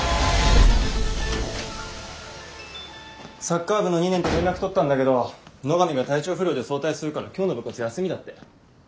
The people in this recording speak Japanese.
サッカー部の２年と連絡取ったんだけど野上が体調不良で早退するから今日の部活休みだって。